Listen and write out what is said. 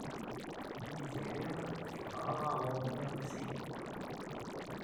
Tiziri tebɣa aɣrum-nni ɣef sin.